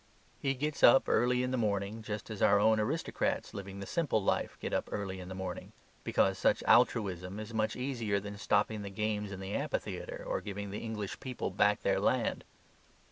He gets up early in the morning, just as our own aristocrats living the Simple Life get up early in the morning; because such altruism is much easier than stopping the games of the amphitheatre or giving the English people back their land.